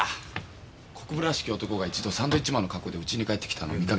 国府らしき男が一度サンドイッチマンの格好でウチに帰ってきたのを見かけた人間がいる。